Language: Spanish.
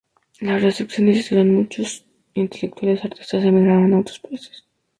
Las restricciones hicieron que muchos intelectuales y artistas emigraran a otros países.